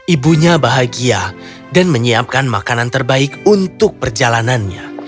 ibunya bahagia dan menyiapkan makanan terbaik untuk perjalanannya